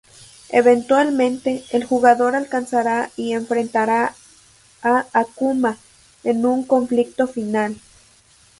Eventualmente, el jugador alcanzará y enfrentará a Akuma en un conflicto final.